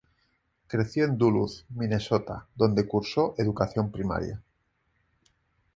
Creció en Duluth, Minnesota, donde cursó educación primaria.